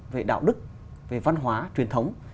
về đạo đức về văn hóa truyền thống